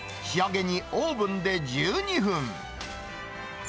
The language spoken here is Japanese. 仕上げにオーブンで１２分。